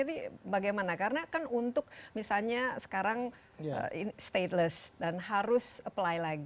jadi bagaimana karena kan untuk misalnya sekarang stateless dan harus apply lagi